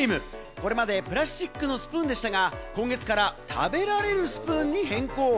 これまでプラスチックのスプーンでしたが、今月から食べられるスプーンに変更。